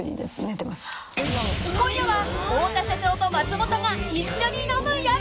［今夜は太田社長と松本が一緒に飲む夜］